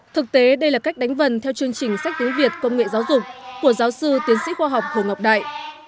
thực tế đây là cách đánh vần theo chương trình sách tiếng việt công nghệ giáo dục của giáo sư tiến sĩ khoa học hồ ngọc đại